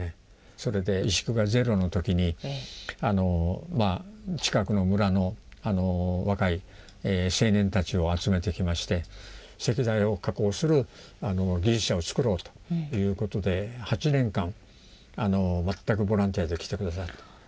それで石工がゼロの時に近くの村の若い青年たちを集めてきまして石材を加工する技術者をつくろうということで８年間全くボランティアで来て下さった。